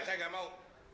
saya gak mau